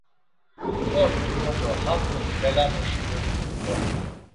Ort̆uǩo do haǩu mbelamuşi miğut̆uǩo!